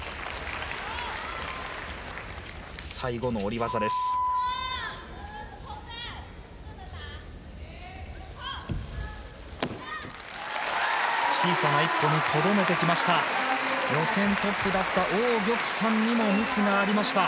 着地は小さな１歩にとどめてきました。